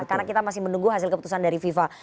karena kita masih menunggu hasil keputusan dari fifa